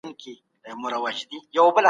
د دې دورې د نظریاتو ترمنځ تضادونه موجود ول.